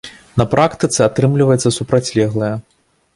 На практыцы атрымліваецца супрацьлеглае.